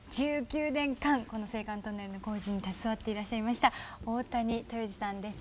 １９年間この青函トンネルの工事に携わっていらっしゃいました大谷豊二さんです。